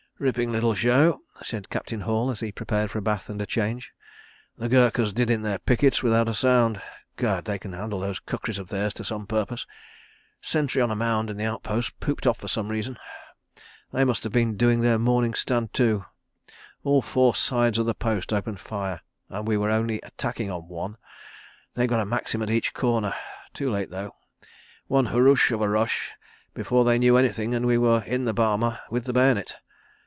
... "Ripping little show," said Captain Hall, as he prepared for a bath and change. "The Gurkhas did in their pickets without a sound. Gad! They can handle those kukris of theirs to some purpose. Sentry on a mound in the outpost pooped off for some reason. They must just have been doing their morning Stand to. ... All four sides of the post opened fire, and we were only attacking on one. ... They'd got a Maxim at each corner. ... Too late, though. One hurroosh of a rush before they knew anything, and we were in the boma with the bayonet.